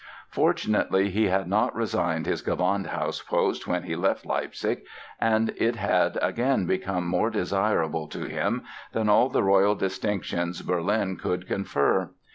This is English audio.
Fortunately he had not resigned his Gewandhaus post when he left Leipzig and it had again become more desirable to him than all the royal distinctions Berlin could confer.